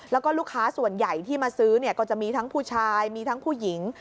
แล้วก็ลูกค้าส่วนใหญ่ที่มาซื้อก็จะมีทั้งผู้ชายมีทั้งผู้หญิง